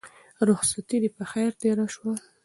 رخصتي دې په خير تېره شه.